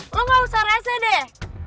lo gak usah rasa deh